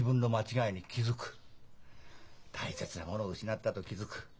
大切なものを失ったと気付く。